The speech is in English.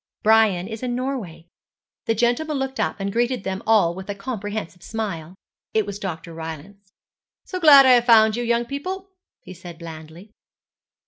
'Brian is in Norway.' The gentleman looked up and greeted them all with a comprehensive smile. It was Dr. Rylance. 'So glad I have found you, young people,' he said blandly.